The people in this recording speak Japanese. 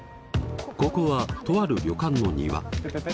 ここはとある旅館の庭。